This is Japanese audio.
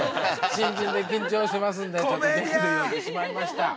新人で緊張していますんで、ちょっと逆で読んでしまいました。